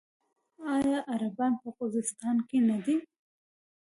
آیا عربان په خوزستان کې نه دي؟